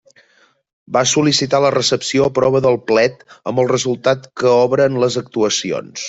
Va sol·licitar la recepció a prova del plet amb el resultat que obra en les actuacions.